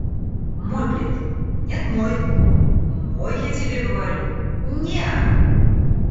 «Мой плед!» — «Нет мой!» — «Мой я тебе говорю!» — «Неа!»